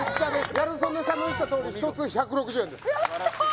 ギャル曽根さんの言ったとおり１つ１６０円ですやった！